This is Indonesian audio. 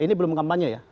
ini belum kampanye ya